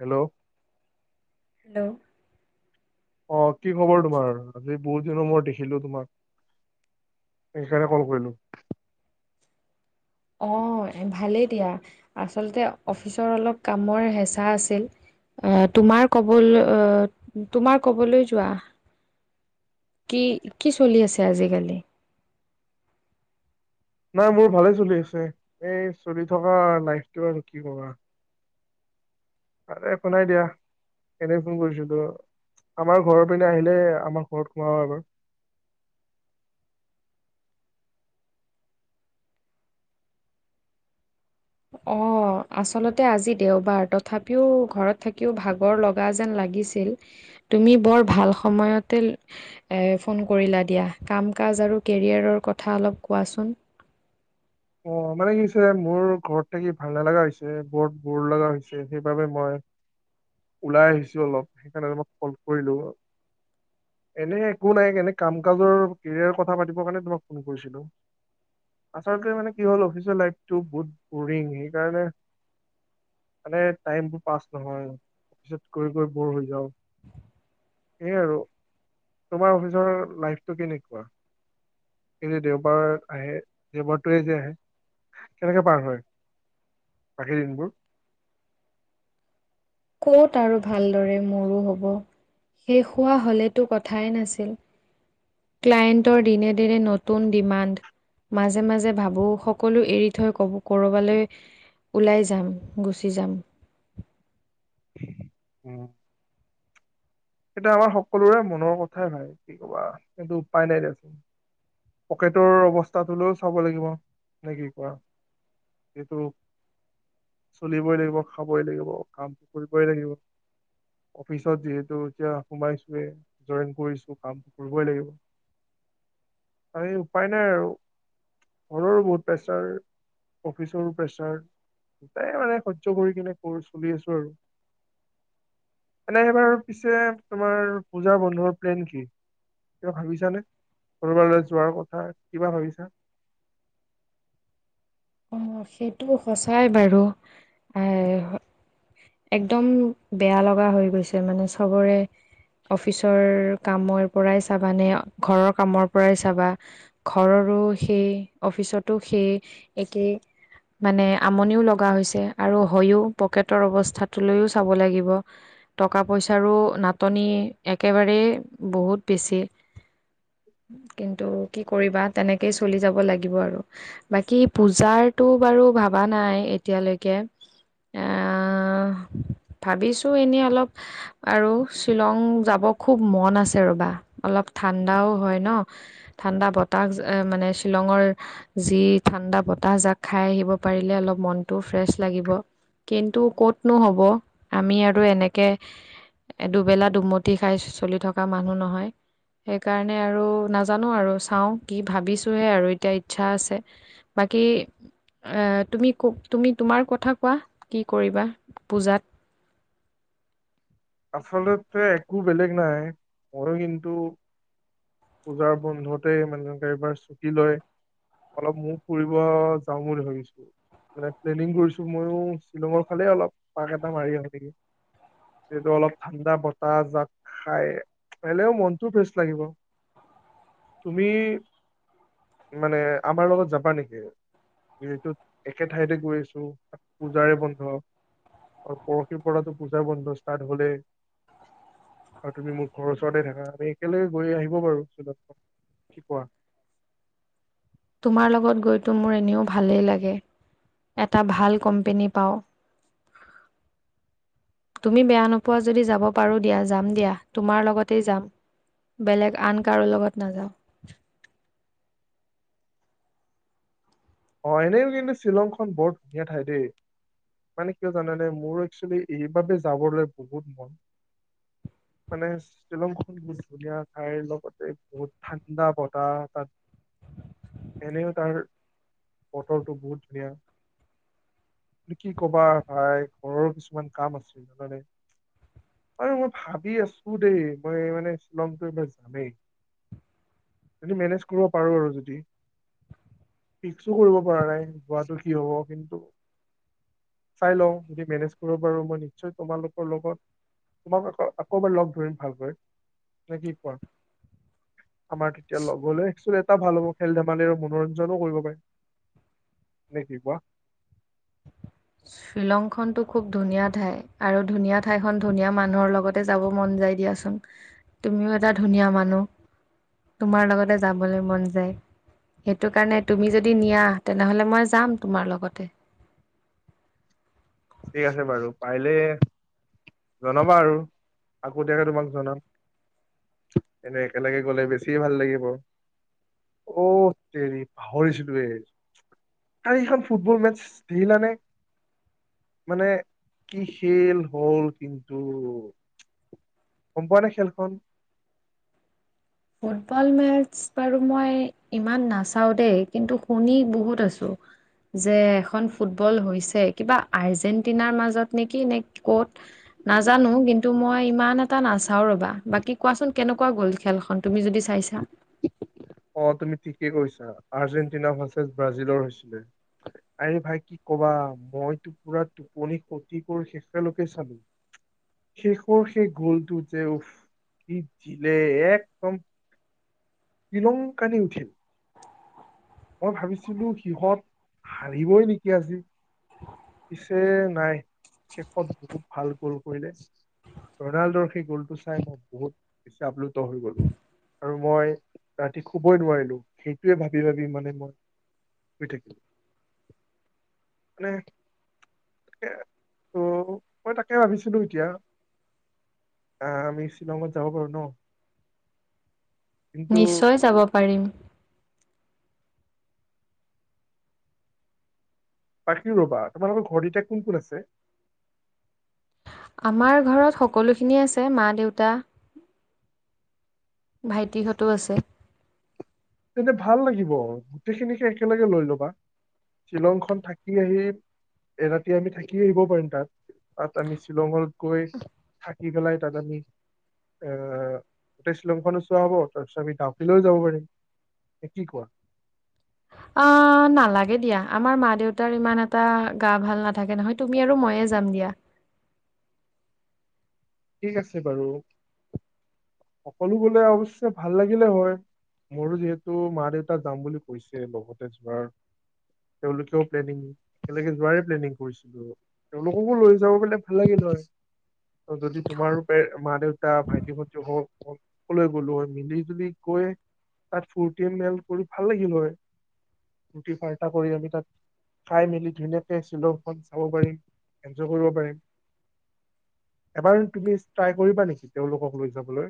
Hello hello অহ কি খবৰ তোমাৰ আজি বহুত দিনৰ মই দেখিলো তোমাক সেইকাৰণে কল কৰিলোঁ অহ ভালেই দিয়া আচলতে অফিচৰ অলপ কামৰ হেঁচা আছিল। অহ তোমাৰ কবলৈ অহ তোমাৰ কবলৈ যোৱা কি কি চলি আছে আজিকালি? নাই মোৰ ভালে চলি আছে এই চলি থকা লাইফটো আৰু কি কবা। আৰো একো নাই দিয়া এনে ফোন কৰিছিলো। আমাৰ ঘৰৰ পিনে আহিলে আমাৰ ঘৰত সোমাবা এবাৰ। [inaudible] অহ আচলতে আজি দেওবাৰ তথাপিও ঘৰত থাকিও ভাগৰ লগা যেন লাগি লাগিছিল তুমি বৰ ভাল সময়তে ফোন কৰিলা দিয়া কাম কাজ বাৰু কেৰিয়াৰেৰ কথা অলপ কোৱাচোন? অ মানে কি হৈছে মোৰ ঘৰত থাকি ভাল নালাগে হৈছে বহুত বৰ লগা হৈছে সেইবাবে মই [inaudible] ওলাই আহিছো অলপ তেনেকুৱা সময় মই ফোন কৰিলো। এনে একো নাই এনে কাম কাজৰ কেৰিয়াৰ কথা পাতিবৰ কাৰণে তোমাক ফোন কৰিছিলো। আচলতে মানে কি হ'ল অফিচৰ লাইফটো বহুত বৰিং সেইকাৰণে মানে টাইমবোৰ পাছ নহয় অফিচত গৈ গৈ বৈৰ হৈ যাওঁ। সেয়াই আৰু তোমাৰ অফিচৰ লাইফটো কেনেকুৱা? কিন্তু দেওবাৰত আহে দেওবাৰতোৱে যে আহে কেনেকে পাৰ হয় বাকী দিনবোৰ? কত আৰু ভালদৰে মোৰো হ'ব। শেষ হোৱা হ'লেতো কথাই নাছিল। ক্লায়েণ্টৰ দিনে দিনে নতুন ডিমাণ্ড। মাজে মাজে ভাবো সকলো এৰি থৈ কব কৰবালৈ ওলাই যাম গুচি যাম। উম সেইটো আমাৰ সকলোৰে মনৰ কথাই ভাই কি কবা কিন্তু উপায় নাই দিয়াচোন। পকেটৰ অৱস্থাটোলেও চাব লাগিব। নে কি কোৱা? এইটো চলিবই লাগিব খাবই লাগিব কামটো কৰিবই লাগিব। অফিচত যিহেতু এতিয়া সোমাইছোৱে জৰেন কৰিছো কাম কৰিবই লাগিব। আমি উপায় নাই আৰু ঘৰৰো বহুত প্ৰেছাৰ। অফিচৰো প্ৰেছাৰ। নাই মানে সয্য কৰি কিনে কৰি চলি আছো আৰু। এনে এবাৰ পিছে তোমাৰ পূজা বন্ধৰ প্লেন কি? কিবা ভাবিছানে কৰবাৰ যোৱাৰ কথা কিবা ভাবিছা? [inaudible] অ সেইটো সঁচাই বাৰু এ একদম বেয়া লগা হৈ গৈছে মানে চবৰে। অফিচৰ কামৰ পৰাই চাবা নে ঘৰৰ কামৰ পৰাই চাবা ঘৰৰ আৰু সেই অফিচতো সেই একে। মানে আমনিও লগা হৈছে আৰু হয়ও পকেটৰ অৱস্থাটো লৈও চাব লাগিব। টকা পইচাৰো নাটনি, একেবাৰেই বহুত বেছি! কিন্তু, কি কৰিবা, তেনেকেই চলি যাব লাগিব আৰু। বাকী পূজাৰটো বাৰু ভবা নাই এতিয়ালৈকে। এ, ভাবিছোঁ এনে, অলপ আৰু শ্বিলং যাব খুউব মন আছে ৰবা, অলপ ঠাণ্ডাও হয় ন' ঠাণ্ডা বতাহ মানে শ্বিলঙৰ যি ঠাণ্ডা বতাহ জাক খাই আহিব পাৰিলে অলপ মনটোও ফ্ৰেছ লাগিব। কিন্তু, ক'তনো হ'ব, আমি আৰু এনেকে এ, দুবেলা দুমুঠি খাই চোচলি থকা মানুহ নহয়। সেইকাৰণে আৰু নাজানোঁ আৰু চাওঁ, কি ভাবিছোঁহে আৰু এতিয়া ইচ্ছা আছে। বাকী তুমি, তুমি, তোমাৰ কথা কোৱা কি কৰিবা পূজাত? [inaudible] আচলতে একো বেলেগ নাই। মইয়ো কিন্তু পূজাৰ বন্ধতে মানুহকে এইবাৰ চুটি লয় অলপ মইয়ো ফুৰিব যাওঁ বুলি ভাবিছোঁ। মানে, প্লেনিং কৰিছোঁ, মইয়ো শ্বিলঙৰ ফালে অলপ পাক এটা মাৰি আহোঁ নেকি। যটো অলপ ঠাণ্ডা বতাহ জাক খাই, খালেও মনতটোও ফ্ৰেচ লাগিব। তুমি মানে আমাৰ লগত যাবা নেকি? যিহেতু একে ঠাইতে গৈ আছো, তাত পূজাৰে বন্ধ। আৰু পৰহিৰ পৰাতো পূজা বন্ধ ষ্টাৰ্ট হ'লেই। আৰু তুমি, মোৰ ঘৰৰ ওচৰতে থাকা। আমি একেলগ গৈ আহিব পাৰোঁ শ্বিলং। কি কোৱা? তোমাৰ লগত গৈ তো মোৰ এনেও ভালেই লাগে! এটা ভাল কোম্পেনী পাওঁ। তুমি বেয়া নোপোৱা যদি? যাব পাৰোঁ দিয়া, যাম দিয়া, তোমাৰ লগতেই যাম। বেলেগ আন, কাৰোঁ লগত নাযাওঁ। অ'! এনেই কিন্তু শ্বিলংখন বৰ ধুনীয়া ঠাই দেই! মানে, কিয় জানানে, মোৰ একচুৱেলি এইবাবে যাবলৈ বহুত মন [inaudible] মানে, শ্বিলংখন বহুত ধুনীয়া ঠাইৰ লগতে, বহুত ঠাণ্ডা বতাহ তাত। [unintelligible] এনেও তাৰ বতৰটো বহুত ধুনীয়া! কি কবা ভাই, ঘৰৰ কিছুমান কাম আছে জানানে! আৰু মই ভাবি আছোঁ দেই, মই মানে, শ্বিলংটো এইবাৰ যামেই। সইটো মেনেজ কৰিব পাৰোঁ আৰু যদি ফিক্সো কৰিব পৰা নাই, যোৱাটো কি হ'ব। কিন্তু চাই লওঁ, যদি মেনেজ কৰিব পাৰোঁ, মই নিশ্চয় তোমালোকৰ লগত তোমাক আকৌ, আকৌ, এবাৰ লগ ধৰিম ভালকৈ নে কি কোৱা? [inaudible] আমাৰ তেতিয়া ল'বলে, একচুৱেলি এটা ভাল হ'ব, খেল-ধেমালিৰ মনোৰঞ্জন নো কৰিব পাৰিম। নে কি কোৱা? শ্বিলং খনতো খুব ধুনীয়া ঠাই আৰু ধুনীয়া ঠাই খন, ধুনীয়া মানুহৰ লগতে যাব মন যায় দিয়াচোন। তুমিও এটা ধুনীয়া মানুহ! তোমাৰ লগতে যাবলৈ মন যায়। সেইটো কাৰণে, তুমি যদি নিয়া, তেনেহ'লে মই যাম তোমাৰ লগতে। ঠিক আছে বাৰু পাৰিলে জনাবা আৰু। আগতীয়াকে তোমাক জনাম। এনেই, একেলগে গ'লে বেছিয়ে ভাল লাগিব। অ'! তেৰি পাহৰিছিলোঁৱে। কালিখন ফুটবল মেটচ দেখিলানে? [inaudible] মানে কি খেল হ'ল কিন্তু। গমপোৱা নে খেলখন? ফুটবল মেচ বাৰু মই ইমান নাচাওঁ দেই, কিন্তু শুনি বহুত আছো। যে এখন ফুটবল হৈছে, কিবা আৰ্জেণ্টিনাৰ মাজত নেকি নে ক'ত? নাজানো কিন্তু মই ইমান এটা নাচাও ৰবা, বাকী কোৱাচোন কেনেকুৱা গ'ল খেলখন? তুমি যদি চাইছা? অ' তুমি ঠিকে কৈছা আৰ্জেণ্টিনাচ, ব্ৰাজিলৰ হৈছিলে। আৰে ভাই কি কবা, মইতো পুৰা টোপনি কতি কৰি শেষলৈকে চালো। শেষৰ সেই গোলটো যে উকি জিলে একদম। বিলংকানি উঠিল মই ভাবিছিলো সিহঁত হাৰিবই নেকি আজি। পিছে নাই শেষত বহুত ভাল গ'ল কৰিলে। ৰনাল্ডৰ সেই গ'লটো চাই মই বহুত বেছি আপ্লুত হৈ গলো। আৰু মই ৰাতি শুবই নোৱাৰিলো সেইটোয়ে ভাবি ভাবি মানে। শ থাক মানে। [unintelligible] তে ত' মই তাকে ভাবিছিলো এতিয়া। আঁ আমি শ্বিলঙত যাব পাৰোঁ ন? কিন্তু নিশ্চয় যাব পাৰিম। বাকি ৰবা তোমালোকৰ ঘৰত এতিয়া কোন কোন আছে। আমাৰ ঘৰত সকলোখিনিয়ে আছে মা দেউতা। ভাইটিহঁতো আছে। তেন্তে ভাল লাগিব গোটেইখিনিকে একেলগে লৈ ল'বা। শ্বিলং খন থাকি আহি এৰাতি আমি থাকি আহিব পাৰিম তাত। তাত আমি শ্বিলঙত গৈ থাকি পেলাই তাত আমি আহ গোটেই শ্বিলংখনো চোৱা হ'ব তাৰপিছত আমি ডাউকিলৈ যাব পাৰিম। এ কি কোৱা। অ নালাগে দিয়া আমাৰ মা দেউতাৰ ইমান এটা গা ভাল নাথাকে নহয় তুমি আৰু মইয়ে। যাম দিয়া। ঠিক আছে বাৰু সকলো বোলে অৱশ্যে ভাল লাগিলে হয়। মোৰো যিহেতু মা দেউতা যাম বুলি কৈছে লগতে যাৰ। তেওঁলোকেও প্লেনিং একেলগে যোৱাই প্লেনিং কৰিছিলো, তেওঁলোককো লৈ যাব পালে ভাল লাগিল। যদি। তোমাৰো মা দেউতা ভাইটি, ভাইটি হওক সকলে গলো হয় মিলি জুলি গৈ। তাত ফূৰ্তি মেল কৰি ভাল লাগিল হয় ফূৰ্তি, ফাৰ্তা কৰি আমি তাত। খাই মেলি ধুনীয়াকে শ্বিলংখন চাব পাৰিম এনজয় কৰিব পাৰিম। এবাৰ তুমি ট্ৰাই কৰিবা নেকি তেওঁলোকক লৈ যাবলৈ?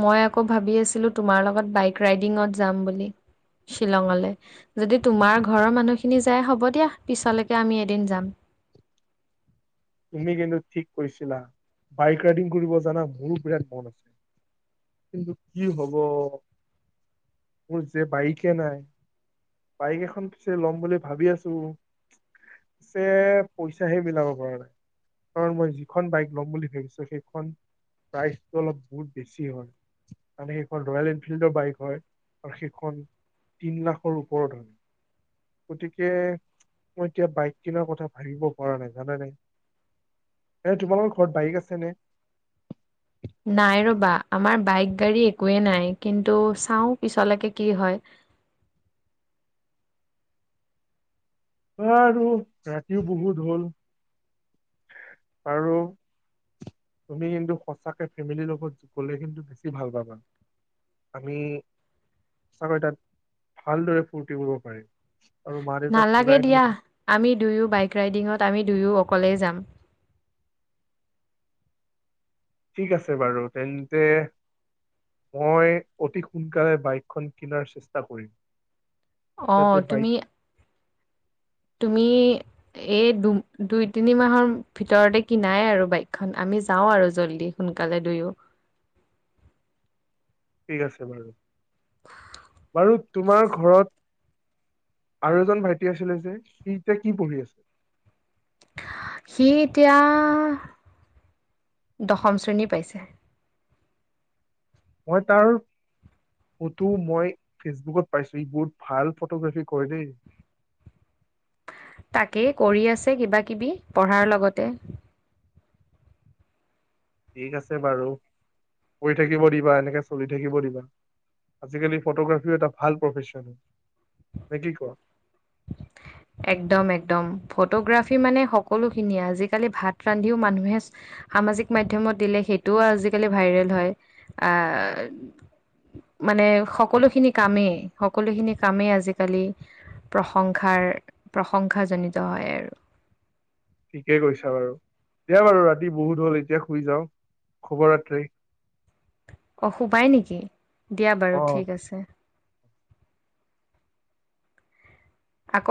মই আকৌ ভাবি আছিলো তোমাৰ লগত বাইক ৰাইডিঙত যাম বুলি। শ্বিলঙলৈ, যদি তোমাৰ ঘৰৰ মানুহখিনি যায় হ'ব দিয়া পিছলৈকে আমি এদিন যাম [unintelligible] তুমি কিন্তু ঠিক কৈছিলা, বাইক ৰাইডিং কৰিব জানা মোৰো বিৰাট মন আছে। কিন্তু কি হব মোৰ যে বাইকে নাই। বাইক এখন পিছে লম বুলি ভাবি আছোঁ। পিছে পইচা সে মিলাব পৰা নাই। কাৰণ মই যিখন বাইক ল'ম বুলি ভাবিছোঁ সেইখন। প্ৰাইচটো অলপ বহুত বেছি হয়, মানে সেইখন ৰয়েল এনফিল্ডৰ বাইক হয়। আৰু সেইখন তিন লাখৰ ওপৰত হয়। গতিকে মই এতিয়া বাইক কিনাৰ কথা ভাবিব পৰা নাই জানে নাই। এ তোমালোকৰ ঘৰত বাইক আছেনে? নাই ৰবা আমাৰ বাইক গাড়ী একোৱেই নাই কিন্তু চাও পিছলৈকে কি হয়। [unintelligible] আৰু ৰাতিও বহুত হল আৰু তুমি কিন্তু সঁচাকে ফেমিলিৰ লগত গ'লে কিন্তু বেছি ভাল পাবা আমি সঁচাকৈ তাত ভালদৰে ফুৰ্তি কৰিব পাৰিম আৰু মা দেউতাক নালাগে ফুৰাই নি দিয়া আমি দুয়ো বাইক ৰাইডিঙত আমি দুয়ো অকলেই যাম। ঠিক আছে বাৰু তেন্তে মই অতি সোনকালে বাইকখন কিনাৰ চেষ্টা কৰিম। অহ যাতে বাইক তুমি তুমি এই দু দুই তিনি মাহৰ ভিতৰতে কিনাই আৰু বাইকখন আমি যাও আৰু জল্দি শুন সোনকালে দুয়ো ঠিক আছে বাৰু বাৰু তোমাৰ ঘৰত আৰু এজন ভাইটি আছিলে যে সি এতিয়া কি পঢ়ি আছে সি এতিয়া দশম শ্ৰেণী পাইছে মই তাৰ ফটো মই ফেচবুকত পাইছোঁ এইবোৰ ভাল ফটোগ্ৰাফী কৰে দেই তাকেই কৰি আছে কিবাকিবি পঢ়াৰ লগতে। ঠিক আছে বাৰু কৰি থাকিব দিবা এনেকে চলি থাকিব দিবা। আজিকালি ফটোগ্ৰাফীও এটা ভাল প্ৰফেশচন নে কি কোৱা [unintelligible] একদম একদম ফটোগ্ৰাফি মানে সকলোখিনিয়ে আজিকালি ভাত ৰান্ধিও মানুহে সামাজিক মাধ্যমত দিলে সেইটোও আজিকালি ভাইৰেল হয় মানে সকলোখিনি কামেই সকলোখিনি কামেই আজিকালি প্ৰশংস প্ৰশংসাজনিত হয় আৰু ঠিকেই কৈছা বাৰু দিয়া বাৰু ৰাতি বহুত হল এতিয়া শুই যাওঁ শুভৰাত্ৰি অঁ শুবাই নেকি দিয়া বাৰু অ ঠিক আছে আকৌ